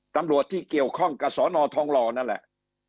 ตำรวจที่เกี่ยวข้องกับสอนอทองหล่อนั่นแหละ